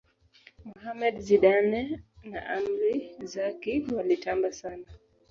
mohammed zidane na amri zaki walitamba sana